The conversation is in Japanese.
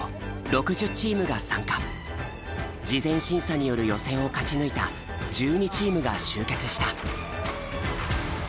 事前審査による予選を勝ち抜いた１２チームが集結した。